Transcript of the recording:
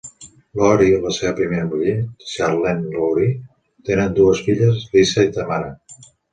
Loury i la seva primera muller, Charlene Loury, tenen dues filles, Lisa i Tamara.